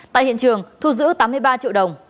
tại hiện trường thu giữ tám mươi ba triệu đồng